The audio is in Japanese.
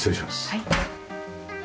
はい。